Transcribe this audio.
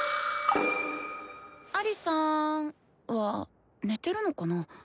アリさん？は寝てるのかな？